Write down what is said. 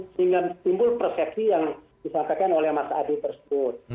sehingga simbol persepsi yang disatakan oleh mas adi tersebut